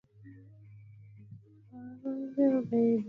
sana dini Ndio maana tuko hapa Kwa mujibu